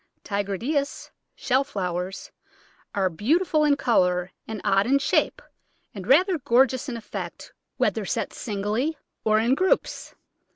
Tigridias (Shell Flowers) are beautiful in colour, and odd in shape, and rather gorgeous in effect whether set singly or in groups.